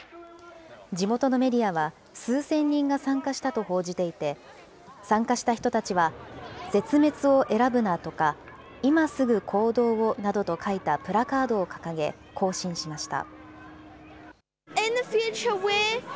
地元のメディアは、数千人が参加したと報じていて、参加した人たちは絶滅を選ぶなとか、今すぐ行動をなどと書いたプラカードを掲げ、行進しました。